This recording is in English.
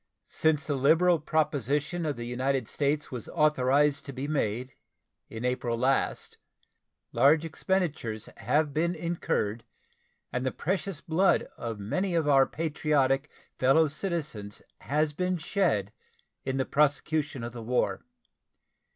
Since the liberal proposition of the United States was authorized to be made, in April last, large expenditures have been incurred and the precious blood of many of our patriotic fellow citizens has been shed in the prosecution of the war.